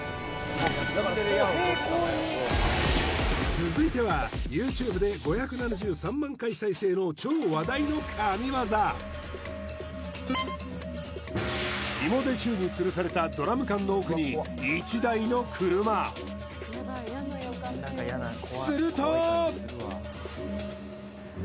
続いてはＹｏｕＴｕｂｅで５７３万回再生の超話題の神業紐で宙に吊るされたドラム缶の奥に１台の車すると！